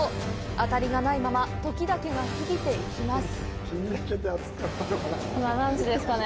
当たりがないまま時だけが過ぎていきます。